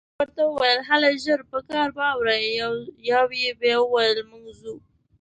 ما ورته وویل: هلئ، ژر په کار واوړئ، یوه یې بیا وویل: موږ ځو.